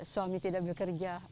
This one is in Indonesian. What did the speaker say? suami tidak bekerja